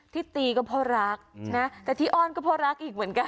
ที่ตีก็เพราะรักนะแต่ที่อ้อนก็เพราะรักอีกเหมือนกัน